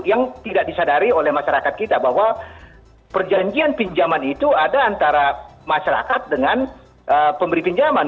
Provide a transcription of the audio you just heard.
yang tidak disadari oleh masyarakat kita bahwa perjanjian pinjaman itu ada antara masyarakat dengan pemberi pinjaman